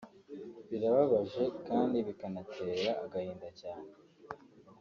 Birababaje kandi bikanatera agahinda cyane